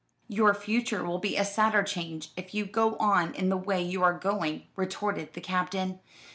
"Your future will be a sadder change, if you go on in the way you are going," retorted the Captain.